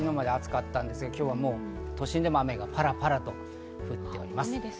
昨日まで暑かったんですけれども、今日は都心でも雨がパラパラと降っております。